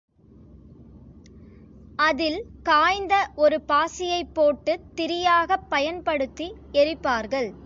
அதில் காய்ந்த ஒரு பாசியைப் போட்டுத் திரியாகப் பயன்படுத்தி எரிப்பார்கள்.